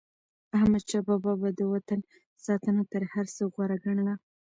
احمدشاه بابا به د وطن ساتنه تر هر څه غوره ګڼله.